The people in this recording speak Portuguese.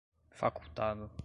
facultado